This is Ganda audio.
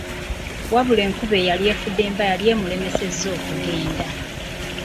Wabula enkuba eyali efudemba yali emulemeseza okugenda.